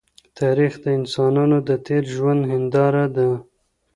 تاریخ د انسانانو د تېر ژوند هنداره ده.